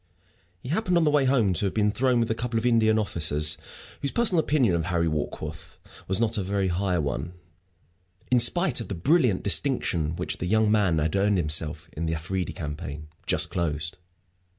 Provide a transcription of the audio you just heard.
He happened on the way home to have been thrown with a couple of Indian officers whose personal opinion of Harry Warkworth was not a very high one, in spite of the brilliant distinction which the young man had earned for himself in the Afridi campaign just closed.